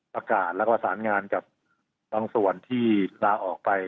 ประกาศแล้วก็สารงานกับบางส่วนที่ลาออกไป